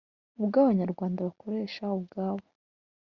Ubw'abanyarwanda bakoresha ubwabo